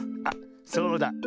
あっそうだ。